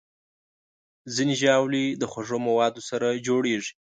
ځینې ژاولې د خوږو موادو سره جوړېږي.